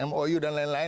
mou dan lain lain